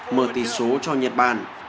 mở tỷ số cho nhật bản